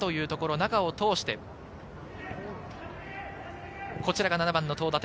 中を通して、こちらが７番・東舘。